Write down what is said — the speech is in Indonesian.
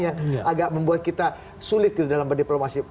yang agak membuat kita sulit dalam berdiplomasi